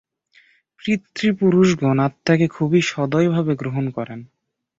পিতৃপুরুষগণ আত্মাকে খুবই সদয়ভাবে গ্রহণ করেন।